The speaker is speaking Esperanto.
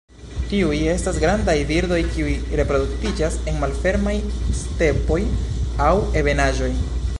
Tiuj estas grandaj birdoj kiuj reproduktiĝas en malfermaj stepoj aŭ ebenaĵoj.